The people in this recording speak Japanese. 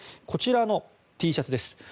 こちらのＴシャツです。